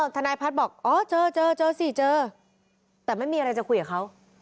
ทนายภัทรบอกอ๋อเจอเจอสิเจอ